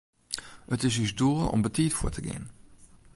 It is ús doel om betiid fuort te gean.